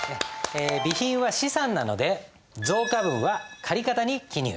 備品は資産なので増加分は借方に記入。